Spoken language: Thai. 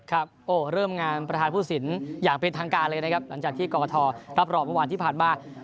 ครับโอ้เริ่มงานประธานผู้สินอย่างเป็นทางการเลยนะครับหลังจากที่กรกฐรับรองเมื่อวานที่ผ่านมา